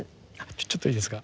ちょっといいですか。